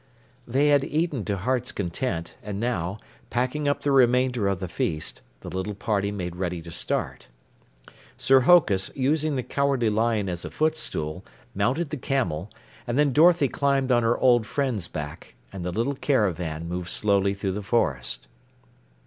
They had eaten to heart's content, and now, packing up the remainder of the feast, the little party made ready to start. Sir Hokus, using the Cowardly Lion as a footstool, mounted the camel, and then Dorothy climbed on her old friend's back, and the little caravan moved slowly through the forest.